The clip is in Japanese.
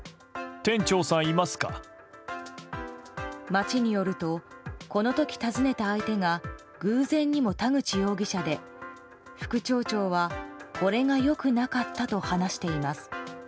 町によるとこの時尋ねた相手が偶然にも田口容疑者で副町長はこれが良くなかったと話しています。